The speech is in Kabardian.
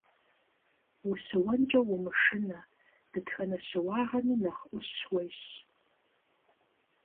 Ущыуэнкӏэ умышынэ, дэтхэнэ щыуагъэми нэхъ ӏущ уещӏ.